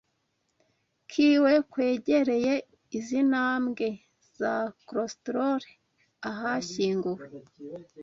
kiwe Kwegereye izi ntambwe za cloistral ahashyinguwe